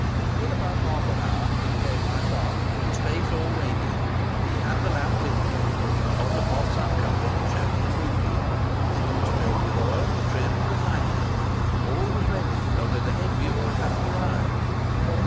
In about half an hour, in came my father, his face all radiant. He had the lamp with him! It was at once uncovered, and shown to Moodie. Then it was filled with oil, trimmed, and lighted. All was ready, only the head viewer hadn't arrived.